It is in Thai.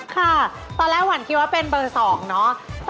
ค่ะตอนแรกหวันคิดว่าเป็นเบอร์๒เนาะ